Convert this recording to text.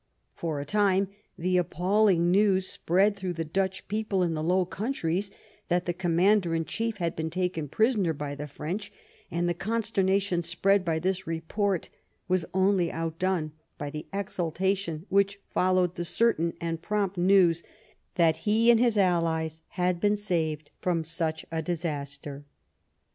For a time the appalling news spread through the Dutch people in the Low Countries that the conmiander in chief had been taken prisoner by the French, and the consternation spread by this report was only outdone by the exultation which followed the certain and prompt news that he and his allies had been saved from such a disaster.